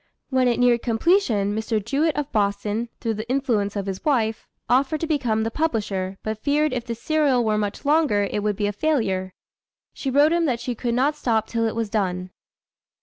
When it neared completion, Mr. Jewett of Boston, through the influence of his wife, offered to become the publisher, but feared if the serial were much longer, it would be a failure. She wrote him that she could not stop till it was done.